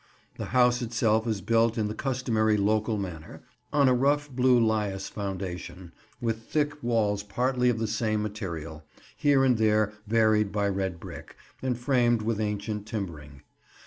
The house itself is built in the customary local manner, on a rough blue lias foundation, with thick walls partly of the same material, here and there varied by red brick, and framed with ancient timbering.